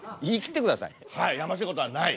「やましいことはない」。